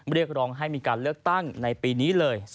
เรียกร้องให้มีการเลือกตั้งในปีนี้เลย